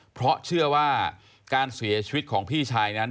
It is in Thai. เพราะเชื่อว่าการเสียชีวิตของพี่ชายนั้น